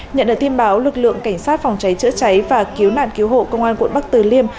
nhận được tin báo lực lượng cảnh sát phòng cháy chữa cháy và cứu nạn cứu hộ công an quận bắc từ liêm